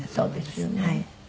そうですよね。